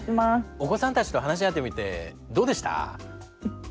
お子さんたちと話し合ってみてどうでした？